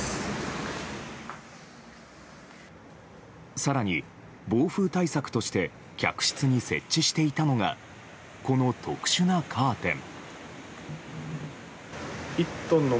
更に、暴風対策として客室に設置していたのがこの特殊なカーテン。